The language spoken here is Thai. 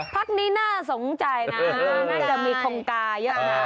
พักนี้น่าสนใจนะน่าจะมีคงกาเยอะนะ